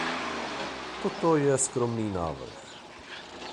Toto je skromný návrh.